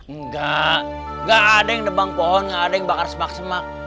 enggak gak ada yang nebang pohon gak ada yang bakar semak semak